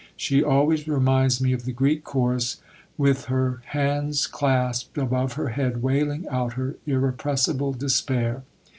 She always reminds me of the Greek chorus with her hands clasped above her head wailing out her irrepressible despair."